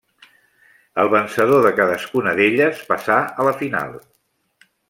El vencedor de cadascuna d'elles passà a la final.